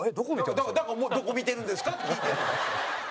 だから「どこ見てるんですか？」って聞いてるのよ。